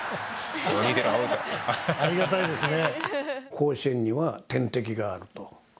甲子園には天敵があると。